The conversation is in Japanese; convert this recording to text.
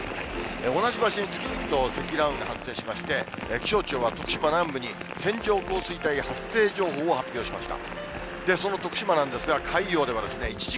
同じ場所に次々とせきらんうんがはっせいしまして気象庁は徳島南部に線状降水帯発生情報を発表しました。